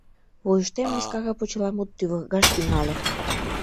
Вуйыштем мыскара почеламут тӱвыргаш тӱҥале.